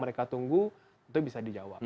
mereka tunggu itu bisa dijawab